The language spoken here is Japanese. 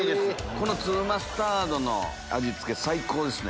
この粒マスタードの味付け最高ですね。